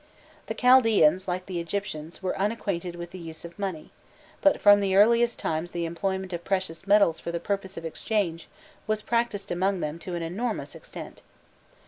The Chaldaeans, like the Egyptians, were unacquainted with the use of money, but from the earliest times the employment of precious metals for purposes of exchange was practised among them to an enormous extent.